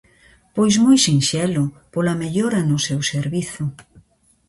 Pois moi sinxelo: pola mellora no seu servizo.